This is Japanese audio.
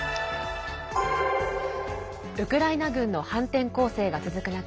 ウクライナ軍の反転攻勢が続く中